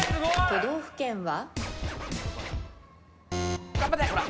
都道府県は？